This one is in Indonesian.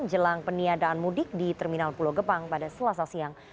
jelang peniadaan mudik di terminal pulau gebang pada selasa siang